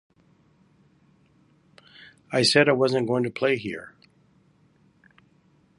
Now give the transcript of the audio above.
I I said wasn't going to play here.